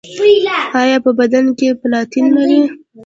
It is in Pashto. ایا په بدن کې پلاتین لرئ؟